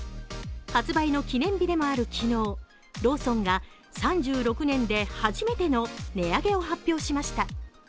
発売の記念日でもある昨日、ローソンが３６年で初めての値上げを発表しました。